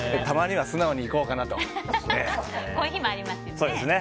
たまには素直にいこうかなと。